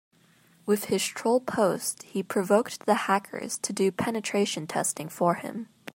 With his troll post he provoked the hackers to do penetration testing for him.